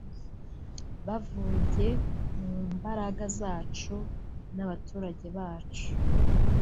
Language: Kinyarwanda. byavuye mu mbaraga zacu n’abaturage bacu”